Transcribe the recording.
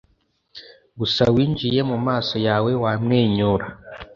gusa winjiye mu maso yawe wamwenyura.